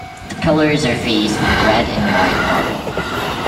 The pillars are faced with red and white marble.